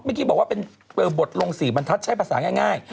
เมื่อกี้บอกว่าเป็นบทลง๔บรรทัศน์ใช้ภาษาง่าย